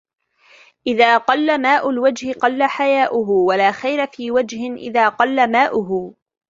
إذا قل ماء الوجه قل حياؤه ولا خير في وجه إذا قل ماؤه